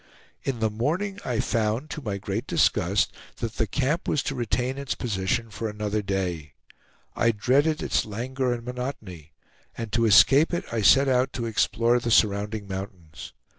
In the morning I found, to my great disgust, that the camp was to retain its position for another day. I dreaded its languor and monotony, and to escape it, I set out to explore the surrounding mountains.